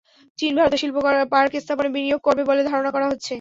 চীন ভারতে শিল্প পার্ক স্থাপনে বিনিয়োগ করবে বলে ধারণা করা হচ্ছে।